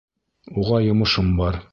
Уға йомошом бар.